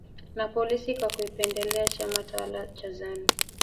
na polisi kwa kukipendelea chama tawala cha Zanu